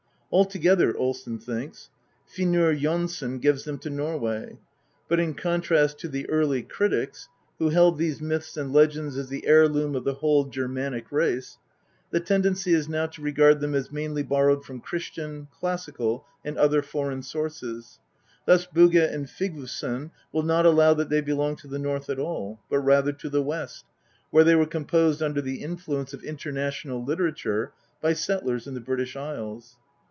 " Altogether, Olsen thinks; Finnur Jonsson gives them to Norway ; but in contrast to the early critics, who held these myths and legends as the heirloom of the whole Germanic race, the tendency is now to regard them as mainly borrowed from Christian, classical, and other foreign sources. Thus Bugge and Vigfusson will not allow that they belong to the North at all, but rather to the West, where they were composed under the influence of international literature by settlers in the British Isles.